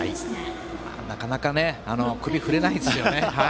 なかなか首は振れないですよね。